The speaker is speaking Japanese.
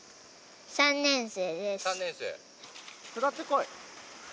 ３年生。